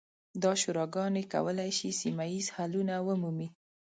دا شوراګانې کولی شي سیمه ییز حلونه ومومي.